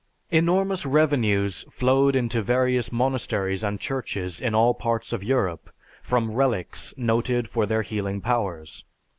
"_) Enormous revenues flowed into various monasteries and churches in all parts of Europe from relics noted for their healing powers.